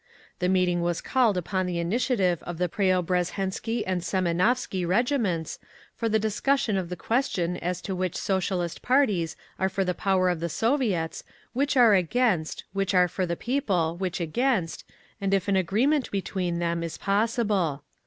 The meeting was called upon the initiative of the Preobrazhensky and Semionovsky Regiments, for the discussion of the question as to which Socialist parties are for the power of the Soviets, which are against, which are for the people, which against, and if an agreement between them is possible.